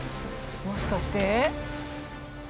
もしかして。